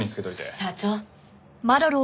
社長。